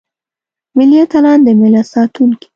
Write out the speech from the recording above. ملي اتلان دملت ساتونکي.